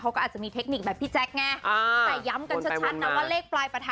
เขาก็อาจจะมีเทคนิคแบบพี่แจ๊คไงแต่ย้ำกันชัดนะว่าเลขปลายประทั